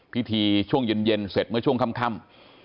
พิธีช่วงเย็นเสร็จเมื่อช่วงค่ำ